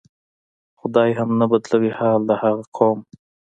"خدای هم نه بدلوي حال د هغه قوم".